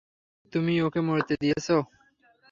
তুমি ওকে মরতে দিয়েছ।